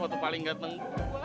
atau paling gak tengok gua